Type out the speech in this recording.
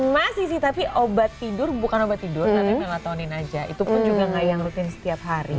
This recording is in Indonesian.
masih sih tapi obat tidur bukan obat tidur tapi melatonin aja itu pun juga nggak yang rutin setiap hari